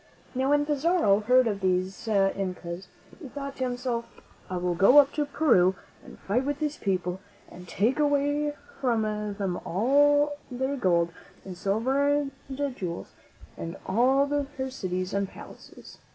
Now when Pizarro heard of these Incas, he thought to himself, "I will go up to Peru and fight with these people, and take away from them all their gold and silver and jewels and all their cities and palaces."